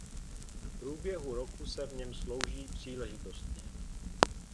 V průběhu roku se v něm slouží příležitostně.